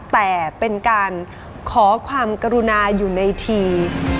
แต่เป็นการขอความกรุณาอยู่ในที